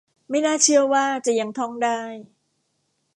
ไม่น่าเชื่อว่าจะยังท่องได้